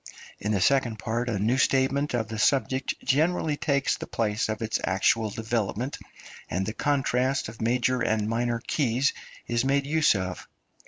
In the second part a new statement of the subject generally takes the place of its actual development, and the contrast of major and minor keys is made use of.